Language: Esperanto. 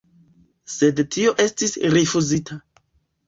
Sed tio estis rifuzita.